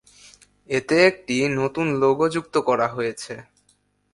এতে একটি নতুন লোগো যুক্ত করা হয়েছে।